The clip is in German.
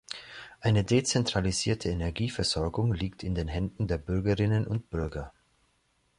Eine dezentralisierte Energieversorgung liegt in den Händen der Bürgerinnen und Bürger.